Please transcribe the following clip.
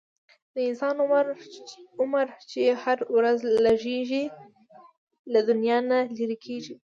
د انسان عمر چې هره ورځ لږیږي، له دنیا نه لیري کیږي